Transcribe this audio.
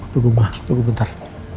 tunggu ma tunggu bentar